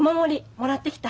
もらってきた。